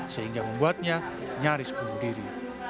sehingga membuatnya nyaris bunuh diri